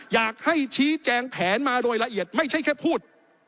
อยากให้ชี้แจงแผนมาโดยละเอียดไม่ใช่แค่พูด